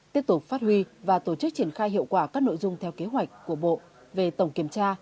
tiếp tục phát huy và tổ chức triển khai hiệu quả các nội dung theo kế hoạch của bộ về tổng kiểm tra